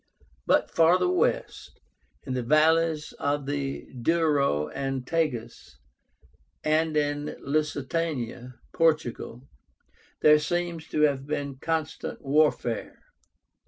But farther west, in the valleys of the Douro and Tagus, and in Lusitania (Portugal), there seems to have been constant warfare.